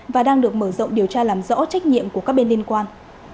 và đang được mở rộng điều tra làm rõ trách nhiệm của các bên liên quan